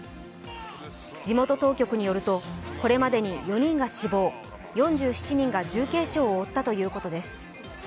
地元当局によると、これまでに４人が死亡、４７人が重軽傷を負ったということです。